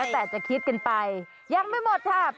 แต่จะคิดกันไปยังไม่หมดค่ะ